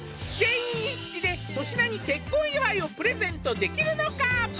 全員一致で粗品に結婚祝いをプレゼントできるのか？